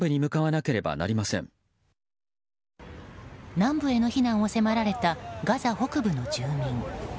南部への避難を迫られたガザ北部の住民。